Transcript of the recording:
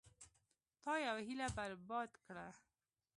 تا یوه هیله برباد کړه.